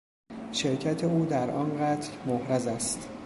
شرکت او در آن قتل محرز است.